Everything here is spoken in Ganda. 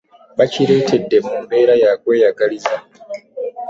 Bakireetedde mu mbeera ya kweyagaliza.